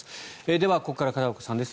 では、ここから片岡さんです。